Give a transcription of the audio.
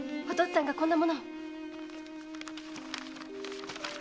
お父っつぁんがこんなものを。